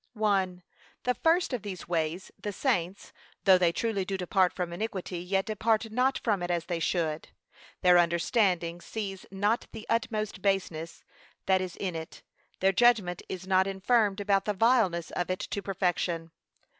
I. The first of these ways, the saints, though they truly do depart from iniquity, yet depart not from it as they should. (1.) Their understanding sees not the utmost baseness that is in it. (2.) Their judgment is not informed about the vileness of it to perfection.